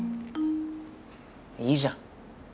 いいじゃん。